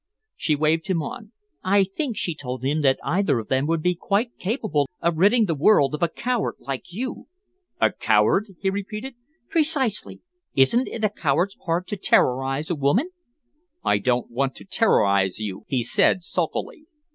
She waved him on. "I think," she told him, "that either of them would be quite capable of ridding the world of a coward like you." "A coward?" he repeated. "Precisely! Isn't it a coward's part to terrorise a woman?" "I don't want to terrorise you," he said sulkily.